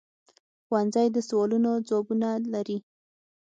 ښوونځی د سوالونو ځوابونه لري